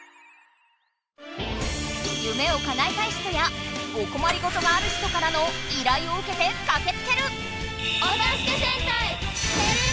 ゆめをかなえたい人やおこまりごとがある人からの依頼をうけてかけつける！